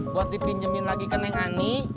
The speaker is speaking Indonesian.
buat dipinjemin lagi ke neng ani